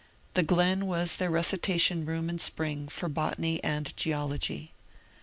The glen was their recitation room in spring for botany and geology.